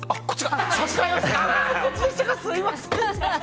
すみません。